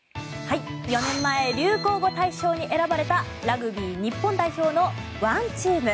４年前流行語大賞に選ばれたラグビー日本代表のＯＮＥＴＥＡＭ。